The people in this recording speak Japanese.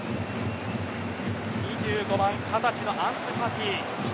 ２５番、二十歳のアンス・ファティ。